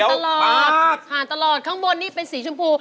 ตลอดผ่านตลอดข้างบนนี่เป็นสีชมพู